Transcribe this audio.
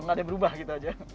nggak ada yang berubah gitu aja